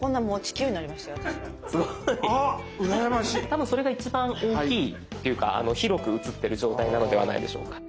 多分それが一番大きいというか広く映ってる状態なのではないでしょうか。